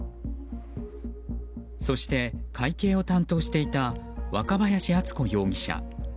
そして会計を担当していた若林厚子容疑者。